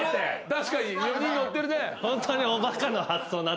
確かに４人乗ってるね。